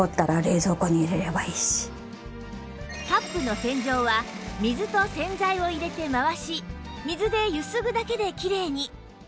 カップの洗浄は水と洗剤を入れて回し水でゆすぐだけできれいに